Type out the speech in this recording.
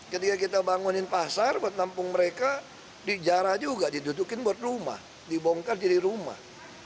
ketika kita bangunin pasar buat nampung mereka dijarah juga didudukin buat rumah dibongkar jadi rumah